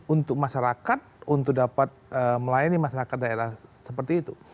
untuk dapat melayani masyarakat daerah seperti itu